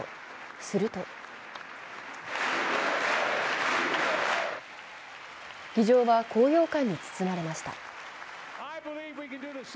すると議場は高揚感に包まれました。